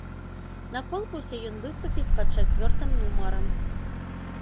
На конкурсе ён выступіць пад чацвёртым нумарам.